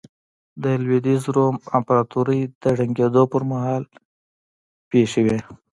د لوېدیځ روم امپراتورۍ د ړنګېدو پرمهال پېښې وې